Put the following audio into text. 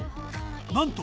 なんと